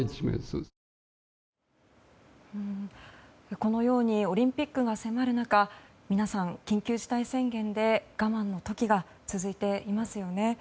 このようにオリンピックが迫る中皆さん、緊急事態宣言で我慢の時が続いていますよね。